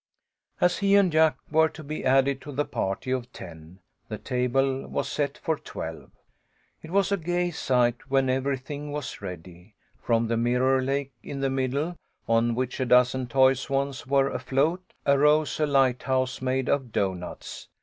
As he and Jack were to be added to the party of ten, the table was set for twelve. It was a gay sight when everything was ready. From the mirror lake in the middle, on which a dozen toy swans were afloat, arose a lighthouse made of doughnuts.